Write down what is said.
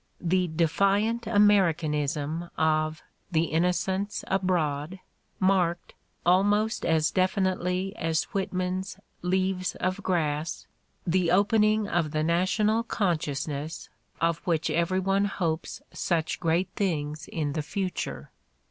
The defiant Ameri canism of "The Innocents Abroad" marked, almost as definitely as "Whitman's "Leaves of Grass," the opening of the national consciousness of which every one hopes such great things in the future.